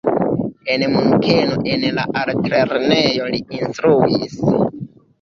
En Munkeno en la altlernejo li instruis.